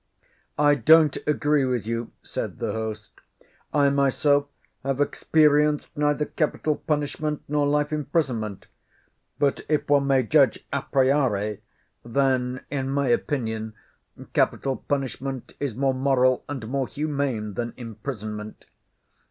"I don't agree with you," said the host. "I myself have experienced neither capital punishment nor life imprisonment, but if one may judge a priori, then in my opinion capital punishment is more moral and more humane than imprisonment.